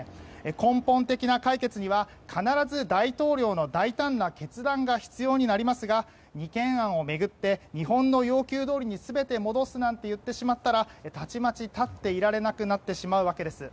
根本的な解決には必ず、大統領の大胆な決断が必要になりますが日本の要求どおりに全て戻すなんて言ってしまったらたちまち立っていられなくなってしまうわけです。